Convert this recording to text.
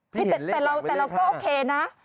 แต่เราก็โอเคนะ